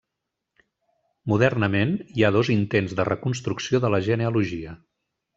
Modernament hi ha dos intents de reconstrucció de la genealogia.